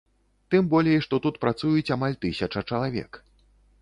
Тым болей, што тут працуюць амаль тысяча чалавек.